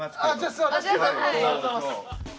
ありがとうございます